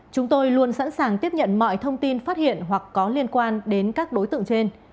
chúng tôi luôn sẵn sàng tiếp nhận mọi thông tin phát hiện hoặc có liên quan đến các đối tượng trên